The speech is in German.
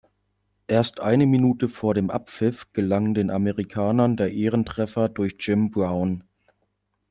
Erst eine Minute vor dem Abpfiff gelang den Amerikanern der Ehrentreffer durch Jim Brown.